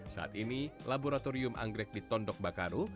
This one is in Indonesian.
saat ini laboratorium anggrek di tondok bakaru